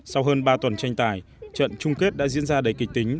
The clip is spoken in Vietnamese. sau hơn ba tuần tranh tài trận chung kết đã diễn ra đầy kịch tính